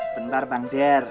bentar bang jer